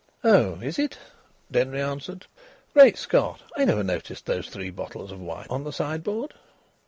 "Oh! Is it?" Denry answered. "Great Scott! I never noticed those three bottles of wine on the sideboard."